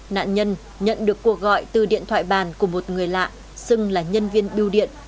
nạn nhân nhận được cuộc gọi từ điện thoại bàn của một người lạ xưng là nhân viên biêu điện